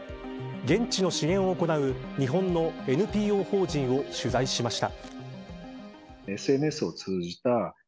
現地の支援を行う日本のＮＰＯ法人を取材しました。